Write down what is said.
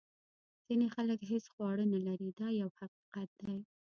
ځینې خلک هیڅ خواړه نه لري دا یو حقیقت دی.